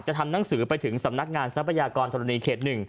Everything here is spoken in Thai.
ทำหนังสือไปถึงสำนักงานทรัพยากรธรณีเขต๑